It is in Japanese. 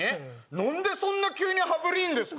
何でそんな急に羽振りいいんですか？